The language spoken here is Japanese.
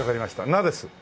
「な」です。